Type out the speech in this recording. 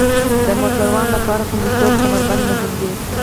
د موټروان لپاره خوندیتوب کمربند مهم دی.